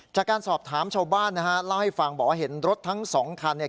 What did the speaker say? จากการสอบถามชาวบ้านนะฮะเล่าให้ฟังบอกว่าเห็นรถทั้งสองคันเนี่ย